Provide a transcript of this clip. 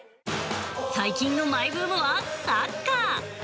最近のマイブームはサッカー。